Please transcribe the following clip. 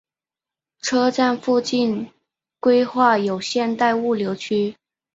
车站附近规划有现代物流区。